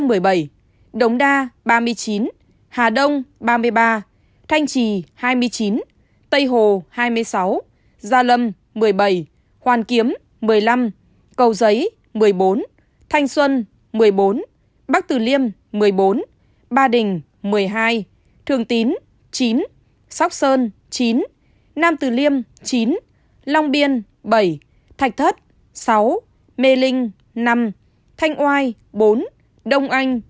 đồng đa bảy mươi bảy ca đồng đa bảy mươi bảy ca tây hồ hai mươi sáu gia lâm một mươi bảy hoàn kiếm một mươi năm cầu giấy một mươi bốn thanh xuân một mươi bốn bắc từ liêm một mươi bốn ba đình một mươi hai thường tín chín sóc sơn chín nam từ liêm chín long biên bảy thạch thất sáu mê linh năm thanh oai bốn đông anh bốn hoài đức ba quốc oai ba ba vì năm trường tín chín hoàn kiếm một mươi năm già lâm một mươi bảy hoàn kiếm một mươi năm cầu giấy một mươi bốn thanh xuân một mươi bốn bắc từ liêm một mươi bốn ba đình một mươi hai thường tín chín sóc sơn chín nam từ liêm chín long biên bảy thạch thất sáu mê linh năm thanh oai bốn đông anh bốn